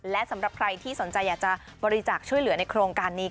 และสำหรับใครที่สนใจอยากจะบริจาคช่วยเหลือในโครงการนี้